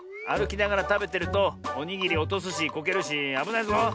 あるきながらたべてるとおにぎりおとすしこけるしあぶないぞ。